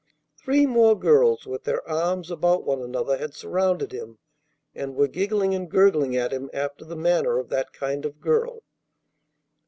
Three more girls with their arms about one another had surrounded him, and were giggling and gurgling at him after the manner of that kind of girl.